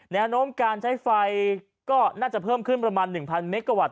แนวโน้มการใช้ไฟก็น่าจะเพิ่มขึ้นประมาณ๑๐๐เมกะวัต